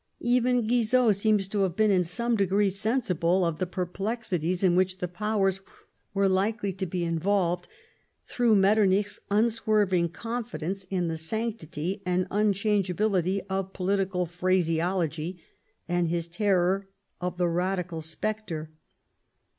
Even Guizot seems to have been in some degree sensible of the perplexities in which the Powers were likely to be involved through Mettemich's unswerving confidence in the sanctity and unchangeable ness of political phraseology, and his terror of the Badi cal spectre.